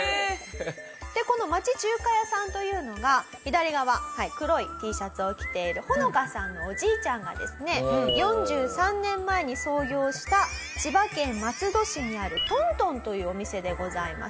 でこの町中華さんというのが左側黒いＴシャツを着ているホノカさんのおじいちゃんがですね４３年前に創業した千葉県松戸市にある東東というお店でございます。